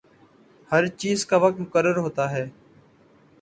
ہر چیز کا وقت مقرر ہوتا ہے۔